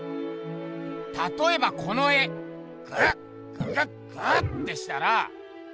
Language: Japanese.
たとえばこの絵グッググッグッてしたら。